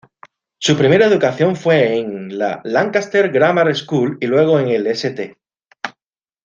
Su primera educación fue en la "Lancaster Grammar School", y luego en el St.